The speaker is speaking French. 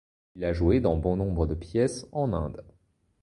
Il a joué dans bon nombre de pièces en Inde.